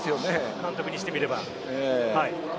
監督にしてみれば。